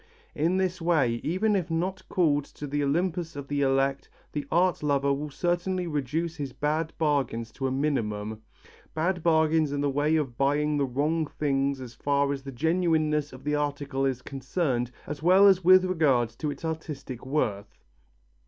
In this way, even if not called to the Olympus of the elect, the art lover will certainly reduce his bad bargains to a minimum bad bargains in the way of buying the wrong things as far as the genuineness of the article is concerned as well as with regard to its artistic worth.